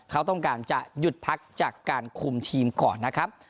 เขาต้องการจะหยุดพักจากการคุมทีมก่อนนะครับ